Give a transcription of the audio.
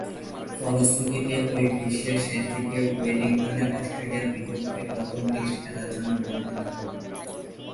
ফলশ্রুতিতে, ঐ গ্রীষ্মের শেষদিকে ওয়েলিংটনে অস্ট্রেলিয়ার বিপক্ষে প্রথম টেস্ট খেলার জন্যে মনোনীত হন।